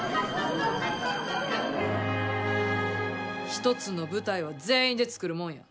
一つの舞台は全員で作るもんや。